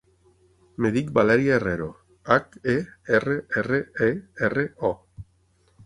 Em dic Valèria Herrero: hac, e, erra, erra, e, erra, o.